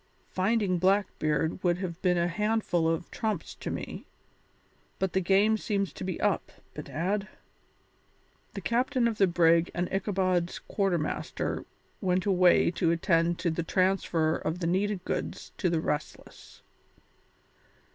Finding Blackbeard would have been a handful of trumps to me, but the game seems to be up, bedad." The captain of the brig and Ichabod's quarter master went away to attend to the transfer of the needed goods to the Restless.